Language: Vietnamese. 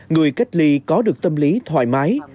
người cách ly có được tâm lý thoải mái